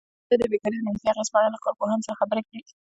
ازادي راډیو د بیکاري د منفي اغېزو په اړه له کارپوهانو سره خبرې کړي.